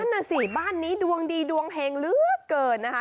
นั่นน่ะสิบ้านนี้ดวงดีดวงเฮงเหลือเกินนะคะ